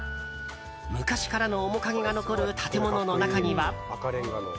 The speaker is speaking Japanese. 昔からの面影が残る建物の中には。